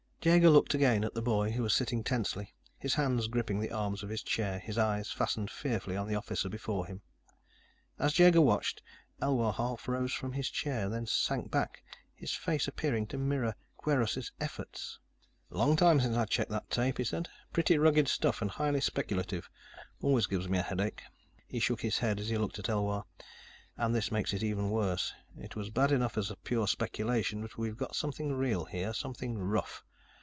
Jaeger looked again at the boy, who was sitting tensely, his hands gripping the arms of his chair, his eyes fastened fearfully on the officer before him. As Jaeger watched, Elwar half rose from his chair, then sank back, his face appearing to mirror Kweiros' efforts. At last, Kweiros sat up. Shakily, he removed his headband and snapped the playback off. "Long time since I checked that tape," he said. "Pretty rugged stuff, and highly speculative. Always gives me a headache." He shook his head as he looked at Elwar. "And this makes it even worse. It was bad enough as pure speculation, but we've got something real here. Something rough.